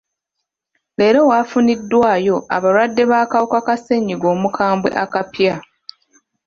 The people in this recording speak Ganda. Leero wafuniddwayo abalwadde b'akawuka ka ssenyiga omukambwe abapya.